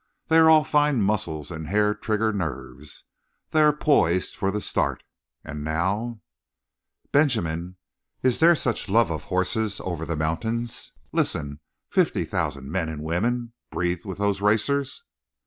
They are all fine muscles and hair trigger nerves. They are poised for the start. And now " "Benjamin, is there such love of horses over the mountains? Listen! Fifty thousand men and women breathe with those racers."